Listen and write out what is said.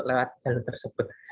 lewat jalur tersebut